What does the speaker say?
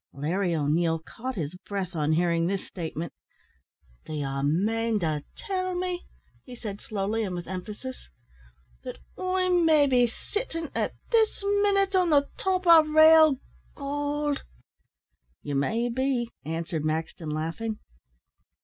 Larry O'Neil caught his breath on hearing this statement. "D'ye mane to tell me," he said, slowly and with emphasis, "that I'm maybe sittin' at this minute on the top o' rale goold?" "You may be," answered Maxton, laughing.